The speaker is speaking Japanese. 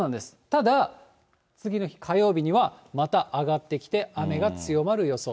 ただ、次の日、火曜日には、また上がってきて、雨が強まる予想。